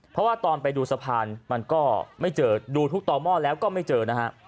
เพราะว่าตอนไปดูสะพานมันก็ไม่เจอดูทุกต่อหม้อแล้วก็ไม่เจอนะฮะ